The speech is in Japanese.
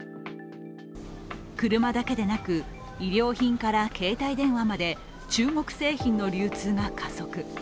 車だけでなく衣料品から携帯電話まで中国製品の流通が加速。